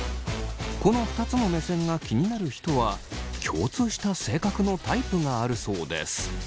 この２つの目線が気になる人は共通した性格のタイプがあるそうです。